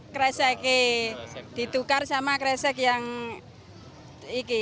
kreseknya ditukar sama kresek yang kain dari kain